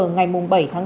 ngày một tháng năm